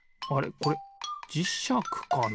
これじしゃくかな？